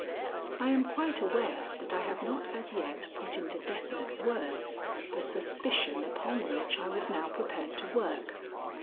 I am quite aware that I have not as yet put into definite words the suspicion upon which I was now prepared to work.